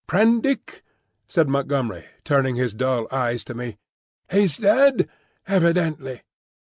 "Prendick," said Montgomery, turning his dull eyes to me. "He's dead, evidently."